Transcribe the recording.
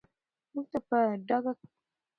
موږ ته په ډاګه کوي چې